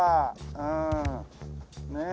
うーんねえ。